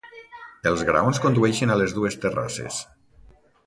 Els graons condueixen a les dues terrasses.